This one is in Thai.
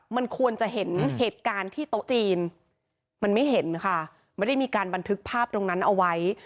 มันควรจะเห็นเหตุการณ์ที่โต๊ะจีนมันไม่เห็นค่ะไม่ได้มีการบันทึกภาพตรงนั้นเอาไว้